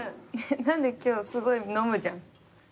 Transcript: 今日すごい飲むじゃん。